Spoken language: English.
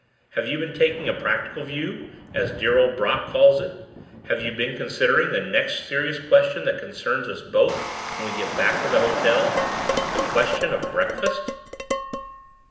Have you been taking a practical view? as dear old Brock calls it. Have you been considering the next serious question that concerns us both when we get back to the hotel the question of breakfast?"